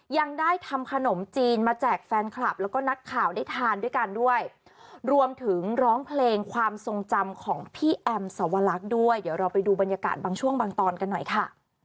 ของพี่แอมสวรรค์ด้วยเดี๋ยวเราไปดูบรรยากาศบางช่วงบางตอนกันหน่อยค่ะ